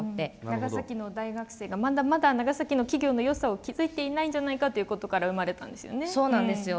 長崎の大学生がまだまだ長崎の企業のよさを気付いていないんじゃないかということで生まれたんですよね。